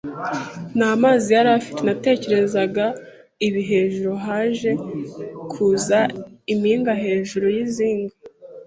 nta mazi yari afite. Natekerezaga ibi hejuru haje kuvuza impinga hejuru yizinga